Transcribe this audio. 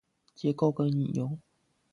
結構跟引用